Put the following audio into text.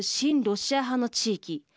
ロシア派の地域。